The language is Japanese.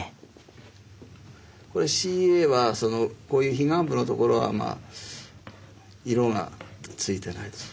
これＣＥＡはこういう非ガン部のところはまあ色がついてないです。